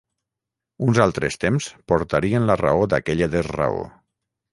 Uns altres temps portarien la raó d'aquella desraó.